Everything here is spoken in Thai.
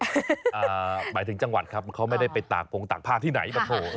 หมายถึงจังหวัดครับเขาไม่ได้ไปตากพงตากผ้าที่ไหนมาโถ